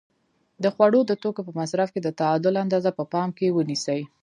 د خوړو د توکو په مصرف کې د تعادل اندازه په پام کې ونیسئ.